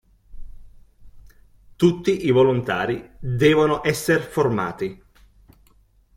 Tutti i volontari devono esser formati.